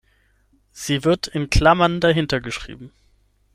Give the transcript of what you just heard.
Sie wird in Klammern dahinter geschrieben.